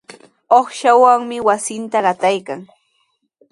Uqshawanmi wasinta qataykan.